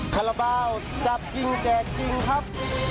คาราเบาจับกินแก่กินครับ